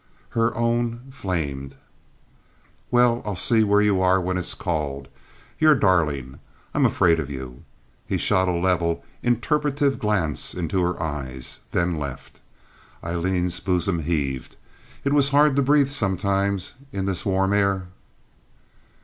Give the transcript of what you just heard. Her own flamed. "Well, I'll see where you are when it's called. You're darling. I'm afraid of you." He shot a level, interpretive glance into her eyes, then left. Aileen's bosom heaved. It was hard to breathe sometimes in this warm air.